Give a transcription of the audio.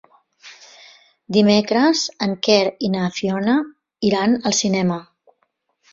Dimecres en Quer i na Fiona iran al cinema.